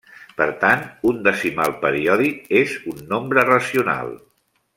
Per tant, un decimal periòdic és un nombre racional.